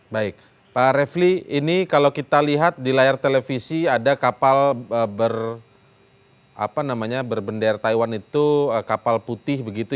berita terkini mengenai cuaca ekstrem dua ribu dua puluh satu di jepang